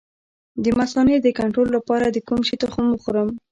د مثانې د کنټرول لپاره د کوم شي تخم وخورم؟